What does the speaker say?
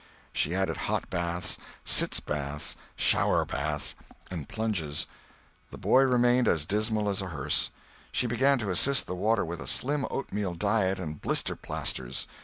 She added hot baths, sitz baths, shower baths, and plunges. The boy remained as dismal as a hearse. She began to assist the water with a slim oatmeal diet and blister plasters.